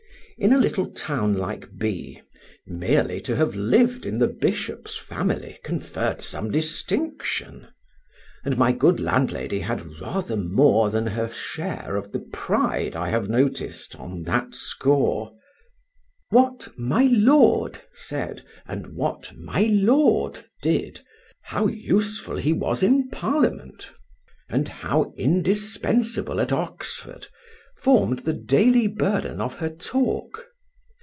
In a little town like B——, merely to have lived in the bishop's family conferred some distinction; and my good landlady had rather more than her share of the pride I have noticed on that score. What "my lord" said and what "my lord" did, how useful he was in Parliament and how indispensable at Oxford, formed the daily burden of her talk.